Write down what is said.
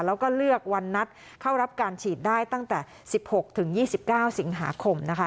แล้วก็เลือกวันนัดเข้ารับการฉีดได้ตั้งแต่๑๖ถึง๒๙สิงหาคมนะคะ